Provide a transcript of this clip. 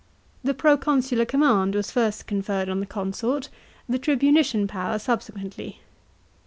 The proconsular command was first conferred on the consort, "he tribunician power subsequently.